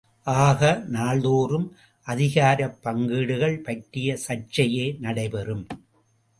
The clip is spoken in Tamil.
ஆக, நாள்தோறும் அதிகாரப் பங்கீடுகள் பற்றிய சர்ச்சையே நடைபெறும்.